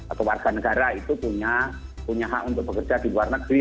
atau warga negara itu punya hak untuk bekerja di luar negeri